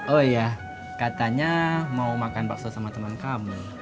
oh iya katanya mau makan bakso sama teman kamu